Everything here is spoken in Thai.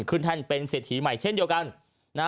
ขึ้นแท่นเป็นเศรษฐีใหม่เช่นเดียวกัน